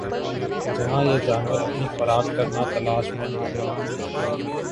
جَہاں یِہ جانور اپنی خوراک کرنا تلاش میں آنا ہونا